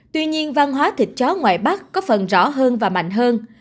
tuy nhiên văn hóa thịt chó ngoại bắc có phần rõ hơn và mạnh hơn